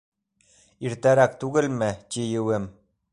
Иртәрәк түгелме тиеүем...